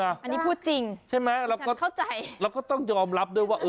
อันนี้พูดจริงฉันเข้าใจใช่มั้ยเราก็ต้องยอมรับด้วยว่า